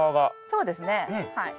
そうですねはい。